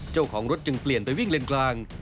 เจ้าของรถจึงเปลี่ยนไปวิ่งเลนกลาง